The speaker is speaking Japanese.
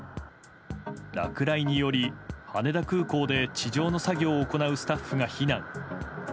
落雷により、羽田空港で地上の作業を行うスタッフが避難。